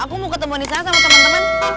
aku mau ketemu di sana sama temen temen